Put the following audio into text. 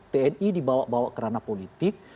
tni dibawa bawa kerana politik